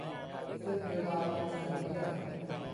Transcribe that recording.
ซึ่งเวลาเป็นสิวเนี่ย